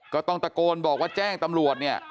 ก็ต้องตะโกนบอกว่าแจ้งตำรวจเนี่ย